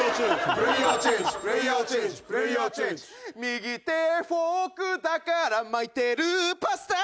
「右手フォークだから巻いてるパスタ」